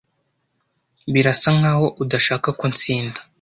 Birasa nkaho udashaka ko ntsinda.